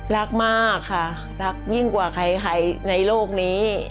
รักมากค่ะรักยิ่งกว่าใครในโลกนี้